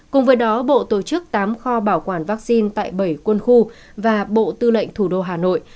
cùng với đó bộ tổ chức tám kho bảo quản vaccine tại bảy quân khu và bộ tư lệnh thủ đô hà nội